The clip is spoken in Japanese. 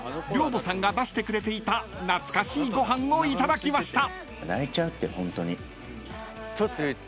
寮母さんが出してくれていた懐かしいご飯をいただきました］